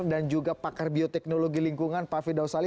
dan juga pakar bioteknologi lingkungan pak firdaus ali